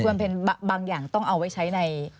คุณค์คุณภาพเพลงบางอย่างต้องเอาไว้ใช้ใน